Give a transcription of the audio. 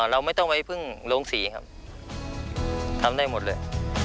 เราไม่ต้องไปพึ่งโรงศรีครับทำได้หมดเลย